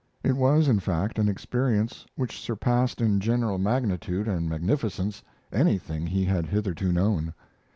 It was, in fact, an experience which surpassed in general magnitude and magnificence anything he had hitherto known.